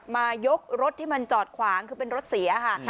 มายกรถที่จอดขวางคือเป็นรถเสีย